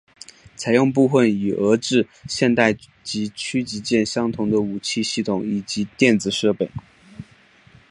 采用部分与俄制现代级驱逐舰相同的武器系统以及电子设备。